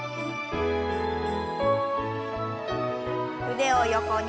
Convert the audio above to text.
腕を横に。